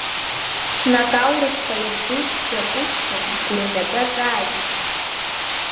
Ҽнак аурыс поет дуӡӡа Пушкин дгәырӷьаҵәа ҿааиҭит…